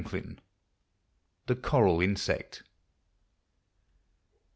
395 THE CORAL INSECT.